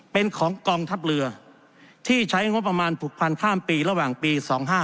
เป็นของกองทัพเรือที่ใช้งบประมาณผูกพันข้ามปีระหว่างปี๒๕๕